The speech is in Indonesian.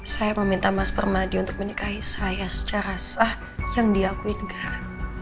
saya meminta mas permadi untuk menyukai saya secara sah yang diakui negara